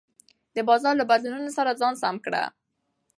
د بازار له بدلونونو سره ځان سم کړه.